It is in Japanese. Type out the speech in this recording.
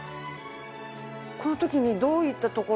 この時にどういった所を。